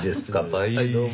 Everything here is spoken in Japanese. はいどうも。